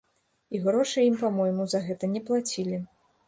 І грошай ім, па-мойму, за гэта не плацілі.